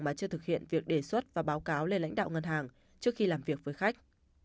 mà chưa thực hiện việc đề xuất và báo cáo lên lãnh đạo ngân hàng trước khi làm việc với khách